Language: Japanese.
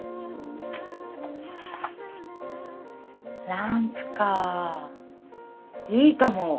ランプかいいかも。